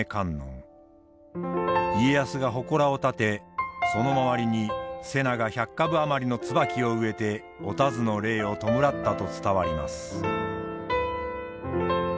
家康がほこらを建てその周りに瀬名が１００株余りの椿を植えてお田鶴の霊を弔ったと伝わります。